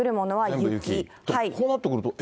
こうなってくると、え？